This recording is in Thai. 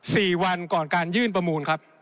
สี่วันก่อนการยื่นประมูลครับ